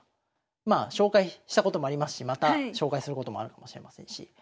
まあ紹介したこともありますしまた紹介することもあるかもしれませんし。